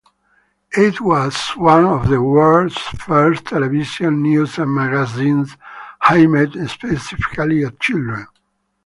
It was one of the world's first television news magazines aimed specifically at children.